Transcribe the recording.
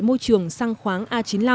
môi trường xăng khoáng a chín mươi năm